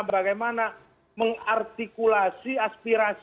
bagaimana mengartikulasi aspirasi